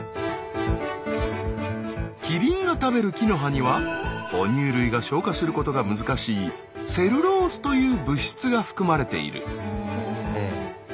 キリンが食べる木の葉には哺乳類が消化することが難しい「セルロース」という物質が含まれている。